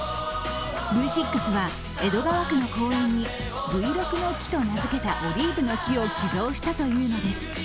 Ｖ６は江戸川区の公園にブイロクの木と名付けたオリーブの木を寄贈したというのです。